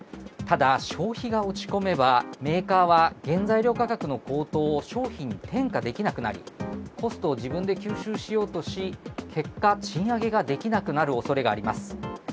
ただ、消費が落ち込めばメーカーは原材料価格の高騰を商品に転嫁できなくなり、コストを自分で吸収しようとし、結果、賃上げができなくなるおそれがあります。